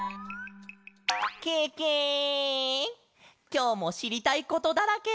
きょうもしりたいことだらけ！